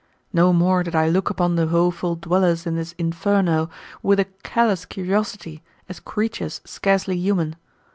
No more did I look upon the woful dwellers in this Inferno with a callous curiosity as creatures scarcely human.